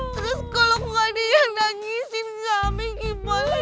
terus kalau gak dianangisin kami gimana